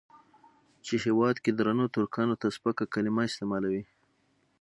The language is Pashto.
چې هېواد کې درنو ترکانو ته سپکه کليمه استعمالوي.